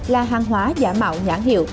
là hàng hóa giả mạo nhãn hiệu